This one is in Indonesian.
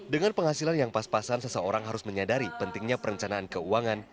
dengan penghasilan yang pas pasan seseorang harus menyadari pentingnya perencanaan keuangan